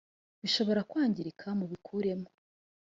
ibishobora kwangirika mubikuremo.